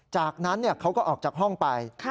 จากนั้นเขาก็ออกจากห้องไป